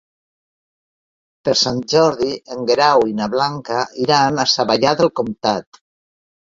Per Sant Jordi en Guerau i na Blanca iran a Savallà del Comtat.